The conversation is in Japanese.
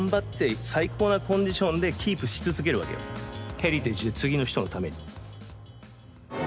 ヘリテイジで次の人のために。